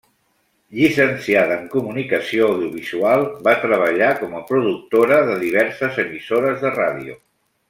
Llicenciada en Comunicació Audiovisual, va treballar com a productora de diverses emissores de ràdio.